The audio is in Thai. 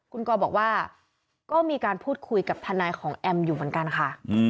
คุณกอบอกว่าก็มีการพูดคุยกับทนายของแอมอยู่เหมือนกันค่ะ